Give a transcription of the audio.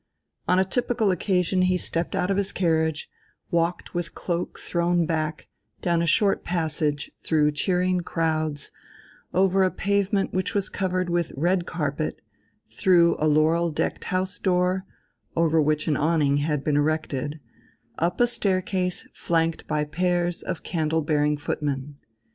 On a typical occasion he stepped out of his carriage, walked with cloak thrown back down a short passage through cheering crowds over a pavement which was covered with red carpet, through a laurel decked house door, over which an awning had been erected, up a staircase flanked by pairs of candle bearing footmen....